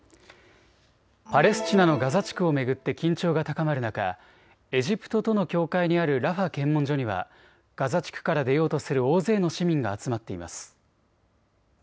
パレスチナのガザ地区を巡って緊張が高まる中、エジプトとの境界にあるラファ検問所にはガザ地区から出ようとする大勢の市民が集まっています。